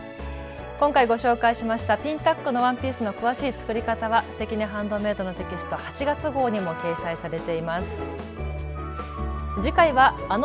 今回ご紹介しましたピンタックのワンピースの詳しい作り方は「すてきにハンドメイド」のテキスト８月号にも掲載されています。